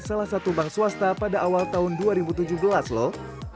salah satu bank swasta pada awal tahun dua ribu tujuh belas loh